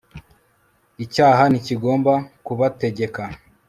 icyaha ntikigomba kubategeka